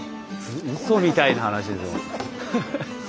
うそみたいな話ですね。